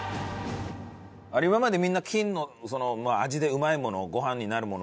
今までみんな金の味でうまいものご飯になるもの